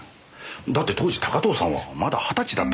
だって当時高塔さんはまだ二十歳だったんですよ。